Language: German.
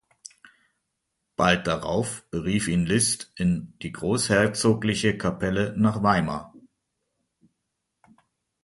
Bald darauf berief ihn Liszt in die großherzogliche Kapelle nach Weimar.